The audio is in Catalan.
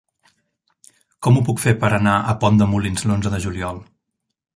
Com ho puc fer per anar a Pont de Molins l'onze de juliol?